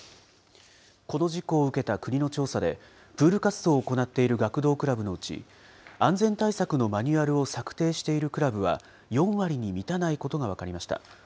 この事故を受けた国の調査で、プール活動を行っている学童クラブのうち、安全対策のマニュアルを策定しているクラブは４割に満たないことが分かりました。